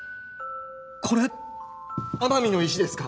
これ奄美の石ですか？